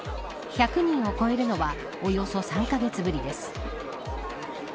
１００人を超えるのはおよそ３カ月ぶりです。